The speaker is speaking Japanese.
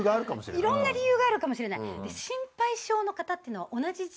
いろんな理由があるかもしれない。